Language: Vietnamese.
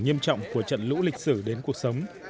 nghiêm trọng của trận lũ lịch sử đến cuộc sống